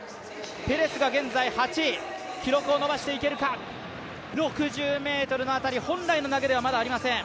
ペレスが現在８位記録を伸ばしていけるか６０ｍのあたり、本来の投げではまだありません。